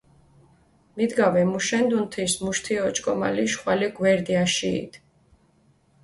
მიდგა ვემუშენდუნ, თის მუშ თია ოჭკომალიშ ხვალე გვერდი აშიიდჷ.